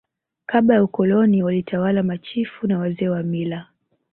Kabla ya Ukoloni walitawala Machifu na Wazee wa mila